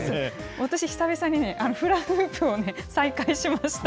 私、久々にフラフープを再開しま